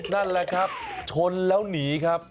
นั่นแหละครับชนแล้วหนีครับ